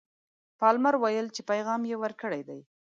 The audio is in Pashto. پالمر ویل چې پیغام ورکړی دی.